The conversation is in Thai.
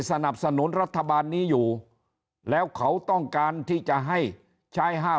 สนับสนุนรัฐบาลนี้อยู่แล้วเขาต้องการที่จะให้ใช้๕๐